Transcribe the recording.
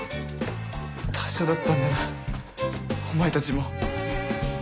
達者だったんだなお前たちも。